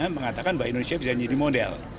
mengatakan bahwa indonesia bisa jadi model